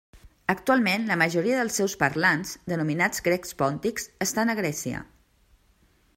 Actualment la majoria dels seus parlants, denominats grecs pòntics estan a Grècia.